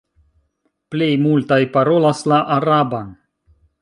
Plej multaj parolas la araban.